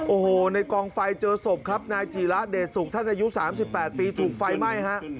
โอ้โหในกองไฟเจอศพครับนายจีระเดศุกร์ท่านอายุสามสิบแปดปีถูกไฟไหม้